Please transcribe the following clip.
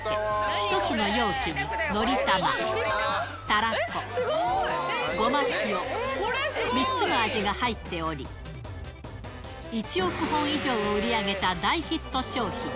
１つの容器に、のりたま、たらこ、ごましお、３つの味が入っており、１億本以上を売り上げた大ヒット商品。